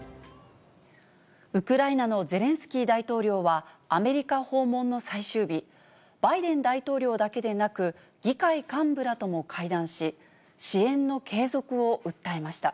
ウクライナのゼレンスキー大統領は、アメリカ訪問の最終日、バイデン大統領だけでなく、議会幹部らとも会談し、支援の継続を訴えました。